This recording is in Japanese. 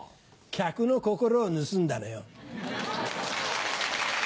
客の心を盗んだのよ。